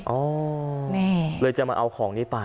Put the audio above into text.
อ๋อนี่เลยจะมาเอาของนี้ไป